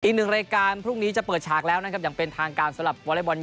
อีกหนึ่งรายการพรุ่งนี้จะเปิดฉากแล้วนะครับ